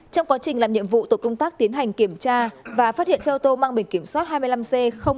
trong quá trình làm nhiệm vụ tổ công tác tiến hành kiểm tra và phát hiện xe ô tô mang bình kiểm soát hai mươi năm c ba nghìn ba trăm hai mươi